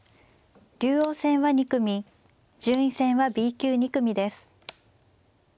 竜王戦は２組順位戦はＢ級２組です。